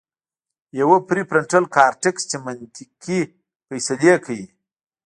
يوه پري فرنټل کارټيکس چې منطقي فېصلې کوي